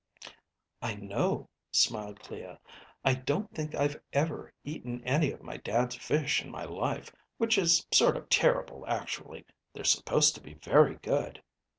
"I know," smiled Clea. "I don't think I've ever eaten any of Dad's fish in my life, which is sort of terrible, actually. They're supposed to be very good."